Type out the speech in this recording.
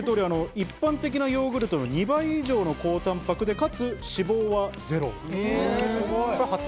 一般的なヨーグルトの２倍以上の高タンパクで、かつ脂肪はゼロ。